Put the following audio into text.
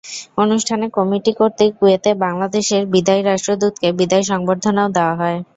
অনুষ্ঠানে কমিটি কর্তৃক কুয়েতে বাংলাদেশের বিদায়ী রাষ্ট্রদূতকে বিদায় সংবর্ধনাও দেওয়া হয়।